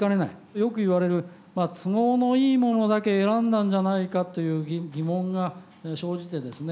よく言われる都合のいいものだけ選んだんじゃないかという疑問が生じてですね